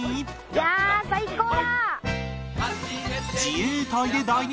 いやあ最高だ！